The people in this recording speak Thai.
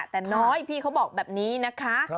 แต่น้อยพี่เขาบอกแบบนี้นะคะ